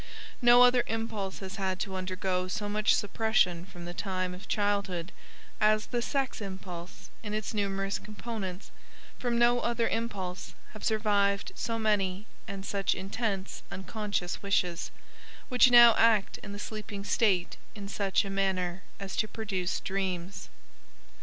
No other impulse has had to undergo so much suppression from the time of childhood as the sex impulse in its numerous components, from no other impulse have survived so many and such intense unconscious wishes, which now act in the sleeping state in such a manner as to produce dreams.